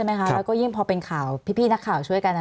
แล้วก็ยิ่งพอเป็นข่าวพี่นักข่าวช่วยกัน